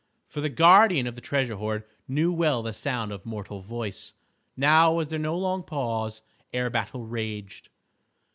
For the guardian of the treasure hoard knew well the sound of mortal voice. Now was there no long pause ere battle raged.